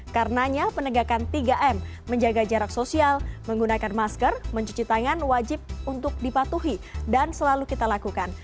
karenanya penegakan tiga m menjaga jarak sosial menggunakan masker mencuci tangan wajib untuk dipatuhi dan selalu kita lakukan